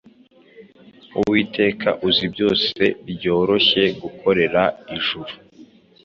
Uwiteka uzi byose byoroshye gukorera ijuru